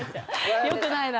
よくないな。